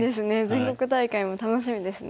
全国大会も楽しみですね。